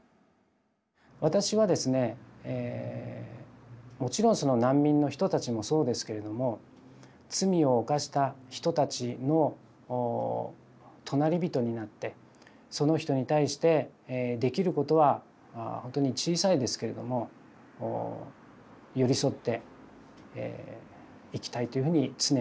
私はですねもちろんその難民の人たちもそうですけれども罪を犯した人たちの「隣人」になってその人に対してできることはほんとに小さいですけれども寄り添っていきたいというふうに常に思っています。